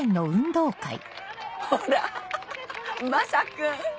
ほらまさ君。